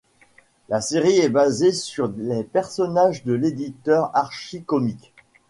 La série est basée sur les personnages de l'éditeur Archie Comics.